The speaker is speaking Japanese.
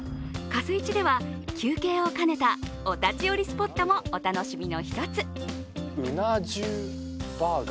かすいちでは休憩を兼ねたお立ち寄りスポットもお楽しみの一つ。